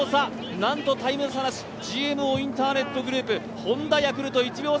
なんとタイム差なし、ＧＭＯインターネットグループ、Ｈｏｎｄａ、ヤクルト、２１秒差。